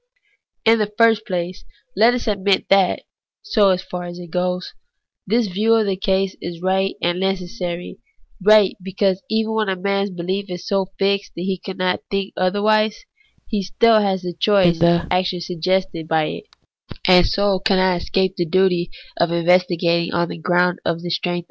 In the first place, let us admit that, so far as it goes, this view of the case is right and necessary ; right, because even when a man's behef is so fixed that he cannot think otherwise, he still has a choice in regard to the action suggested by it, and so cannot escape the duty of investigating on the gxound of the strength THE ETHICS OF BELIEF.